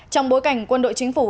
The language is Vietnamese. trong bối cảnh quân đội chính phủ